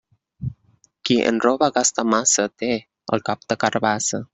Qui en roba gasta massa té el cap de carabassa.